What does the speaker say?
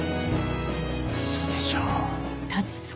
ウソでしょ。